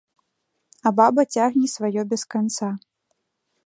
А баба цягне сваё без канца.